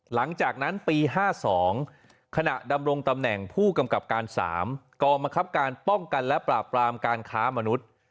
หลังจากนั้นปี๕๒ขณะดำรงตำแหน่งผู้กำกับการ๓กองบังคับการป้องกันและปราบปรามการค้ามนุษย์